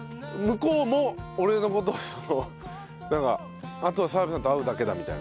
こうも俺の事をなんか「あとは澤部さんと会うだけだ」みたいな。